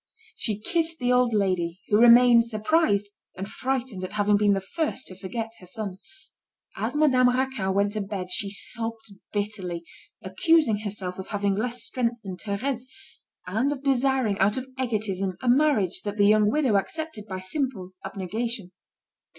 She kissed the old lady, who remained surprised and frightened at having been the first to forget her son. As Madame Raquin went to bed, she sobbed bitterly, accusing herself of having less strength than Thérèse, and of desiring, out of egotism, a marriage that the young widow accepted by simple abnegation.